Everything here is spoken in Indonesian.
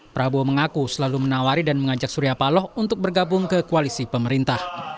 prabowo mengaku selalu menawari dan mengajak surya paloh untuk bergabung ke koalisi pemerintah